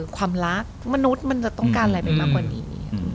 ความรักมนุษย์มันจะต้องการอะไรไปมากกว่านี้